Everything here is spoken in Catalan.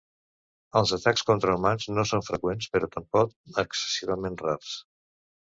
Els atacs contra humans no són freqüents, però tampoc excessivament rars.